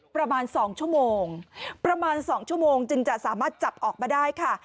ประมาณ๒ชั่วโมงประมาณ๒ชั่วโมงจึงจะสามารถจับออกมาได้ค่ะ